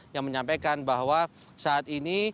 yang menyampaikan bahwa saat ini